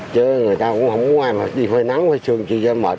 chứ người ta cũng không có ai mà đi phơi nắng phơi sương chơi ra mệt